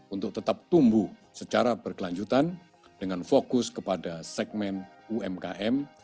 untuk tetap tumbuh secara berkelanjutan dengan fokus kepada segmen umkm